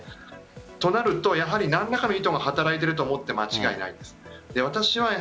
となると何らかの意図が働いてると思って間違いないです。